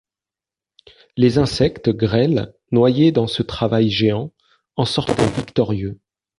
Les insectes grêles, noyés dans ce travail géant, en sortaient victorieux.